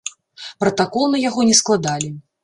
Пратакол на яго не складалі.